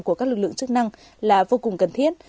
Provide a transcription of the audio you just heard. của các lực lượng chức năng là vô cùng cần thiết